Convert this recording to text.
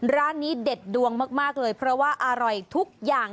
ร้านนี้เด็ดดวงมากเลยเพราะว่าอร่อยทุกอย่าง